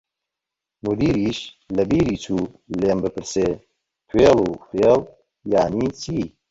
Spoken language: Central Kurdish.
مودیریش لە بیری چوو لێم بپرسێ توێڵ و فێڵ یانی چی؟